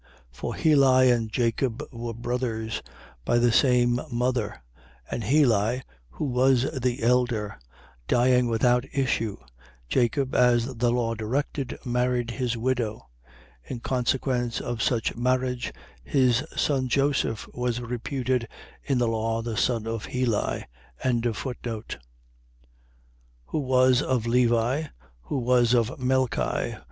For Heli and Jacob were brothers, by the same mother; and Heli, who was the elder, dying without issue, Jacob, as the law directed, married his widow: in consequence of such marriage, his son Joseph was reputed in the law the son of Heli. 3:24. Who was of Levi, who was of Melchi.